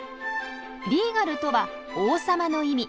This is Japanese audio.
リーガルとは「王様」の意味。